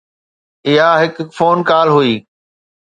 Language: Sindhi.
اها هڪ فون ڪال هئي.